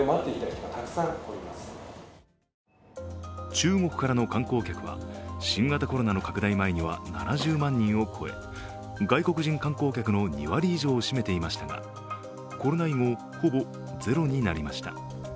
中国からの観光客は新型コロナ感染拡大前の２０１８年度には７０万人を超え外国人観光客の２割以上を占めていましたがコロナ以後、ほぼゼロになりました。